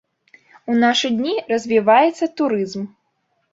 У нашы дні развіваецца турызм.